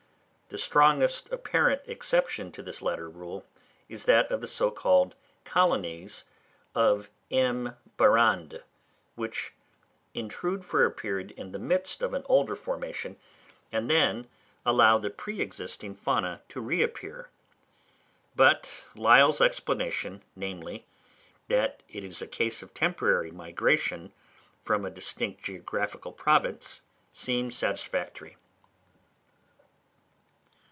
The strongest apparent exception to this latter rule is that of the so called "colonies" of M. Barrande, which intrude for a period in the midst of an older formation, and then allow the pre existing fauna to reappear; but Lyell's explanation, namely, that it is a case of temporary migration from a distinct geographical province, seems satisfactory.